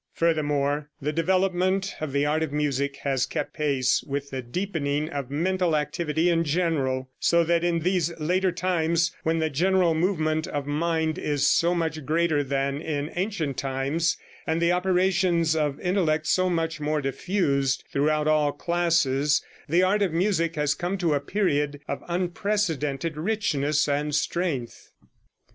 Furthermore, the development of the art of music has kept pace with the deepening of mental activity in general, so that in these later times when the general movement of mind is so much greater than in ancient times, and the operations of intellect so much more diffused throughout all classes, the art of music has come to a period of unprecedented richness and strength.